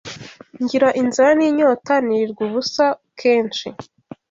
ngira inzara n’inyota, nirirwa ubusa kenshi